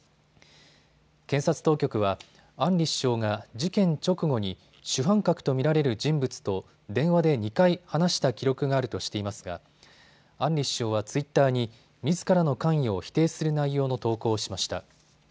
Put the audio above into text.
検察当局はアンリ首相が事件直後に主犯格と見られる人物と電話で２回話した記録があるとしていますがアンリ首相はツイッターにみずからの関与を否定する内容の投稿をしました。